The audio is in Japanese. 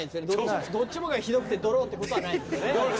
どっちもがひどくてドローってことはないですよね？